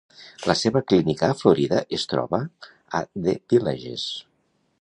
La seva clínica a Florida es troba a The Villages.